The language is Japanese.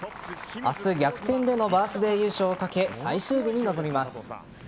明日逆転でのバースデー優勝を懸け最終日に臨みます。